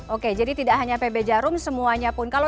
oke jadi tidak hanya pb jarum semuanya pun